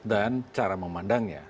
dan cara memandangnya